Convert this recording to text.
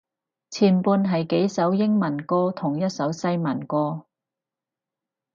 前半係幾首英文歌同一首西文歌